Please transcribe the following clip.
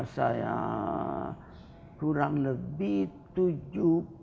saya kurang lebih tujuh puluh lima